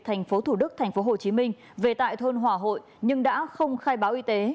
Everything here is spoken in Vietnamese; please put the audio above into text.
thành phố thủ đức thành phố hồ chí minh về tại thôn hòa hội nhưng đã không khai báo y tế